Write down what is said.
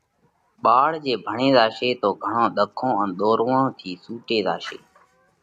ٻاۯ جي ڀڻي زاشي تو گھڻون ۮکون ان ۮورووڻون ٿِي سُوٽي زاشي۔